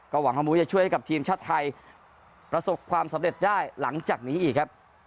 หวังว่ามุ้ยจะช่วยให้กับทีมชาติไทยประสบความสำเร็จได้หลังจากนี้อีกครับ